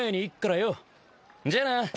じゃあな。